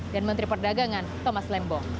dan menteri perdagangan thomas lembo